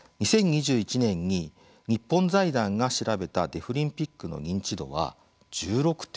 ２０２１年に日本財団が調べたデフリンピックの認知度は１６．３％。